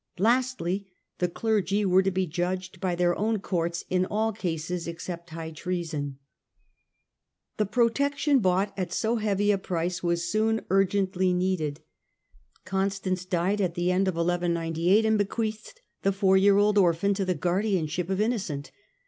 Lastly, the clergy were to be judged by their own courts in all cases except high treason. The protection bought at so heavy a price was soon urgently needed. Constance died at the end of 1198 and bequeathed the four year old orphan to the guardianship of Innocent.